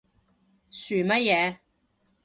噓乜嘢？